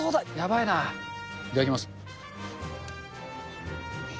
いただきます。